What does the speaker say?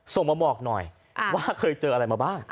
ส่งมาบอกหน่อยว่าเคยเจออะไรมาบ้าง